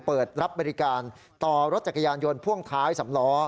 เปิดรับบริการต่อรถจักรยานยนต์พ่วงท้ายสำล้อ